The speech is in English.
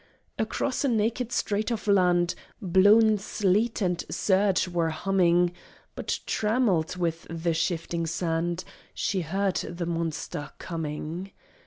Across a naked strait of land Blown sleet and surge were humming; But trammelled with the shifting sand, She heard the monster coming!